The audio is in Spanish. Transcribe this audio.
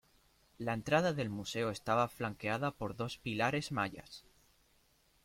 La entrada del museo estaba flanqueada por dos pilares mayas.